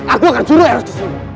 aku akan curuh eros ke sini